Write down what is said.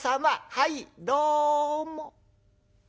はいどうも。